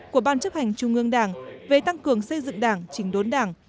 của ban chấp hành trung ương đảng về tăng cường xây dựng đảng trình đốn đảng